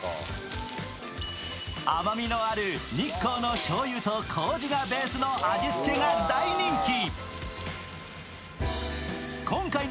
甘みのある日光のしょうゆと糀がベースの味付けが大人気。